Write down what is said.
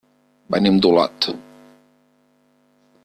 Venim d'Olot.